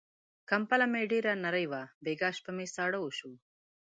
کمپله مې ډېره نری وه، بيګاه شپه مې ساړه وشو.